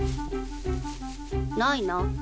ないな。